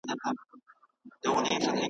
خدای ورکړی وو شهپر د الوتلو .